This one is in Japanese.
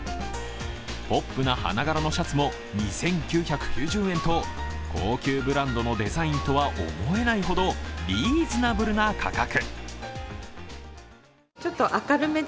ポップな花柄のシャツも２９９０円と高級ブランドのデザインとは思えないほどリーズナブルな価格。